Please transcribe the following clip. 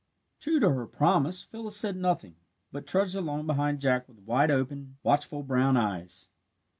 True to her promise, Phyllis said nothing, but trudged along behind Jack with wide open, watchful brown eyes.